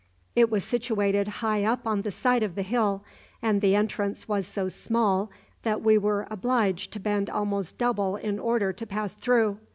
It was situated high up on the side of the hill, and the entrance was so small that we were obliged to bend almost double in order to pass through.